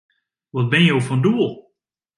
Wat binne jo fan doel?